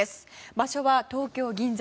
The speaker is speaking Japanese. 場所は、東京・銀座。